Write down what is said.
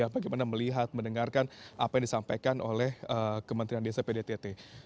bagaimana melihat mendengarkan apa yang disampaikan oleh kementerian desa pdtt